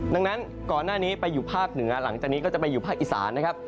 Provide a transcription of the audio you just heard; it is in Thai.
ดังนั้นก่อนหน้านี้ไปอยู่ภาคเหนือหลังจากนี้ก็จะไปอยู่ภาคอีสานนะครับ